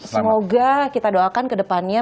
semoga kita doakan kedepannya